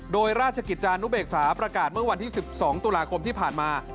โดยราชกิจจานุเบกษาประกาศเมื่อวันที่๑๒ตุลาคมที่ผ่านมา